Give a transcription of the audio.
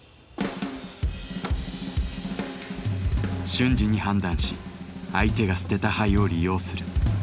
瞬時に判断し相手が捨てた牌を利用する。